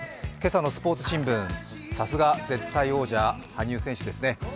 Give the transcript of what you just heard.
今朝のスポーツ新聞、さすが絶対王者、羽生選手ですね。